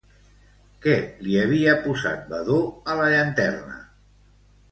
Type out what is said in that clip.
Què li havia posat Vadó a la llanterna?